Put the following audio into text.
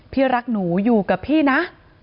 พี่รักหนูอยู่กับพี่นะ